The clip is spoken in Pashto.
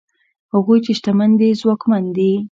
هغوی چې شتمن دي ځواکمن دي؛